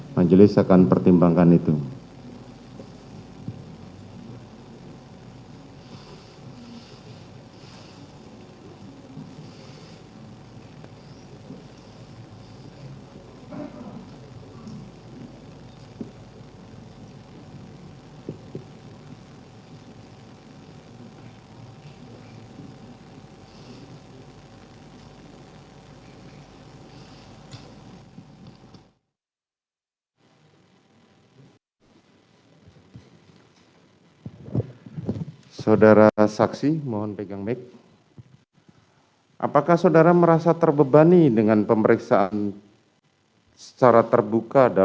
manjulis akan pertimbangkan itu